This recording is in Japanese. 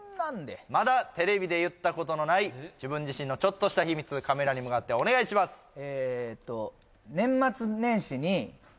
まだテレビで言ったことのない自分自身のちょっとした秘密カメラに向かってお願いします！